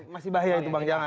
masih bahaya itu bang jan